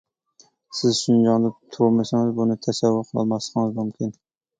سىز شىنجاڭدا تۇرمىسىڭىز بۇنى تەسەۋۋۇر قىلالماسلىقىڭىز مۇمكىن.